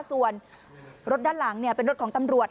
ส่วนรถด้านหลังเป็นรถของตำรวจ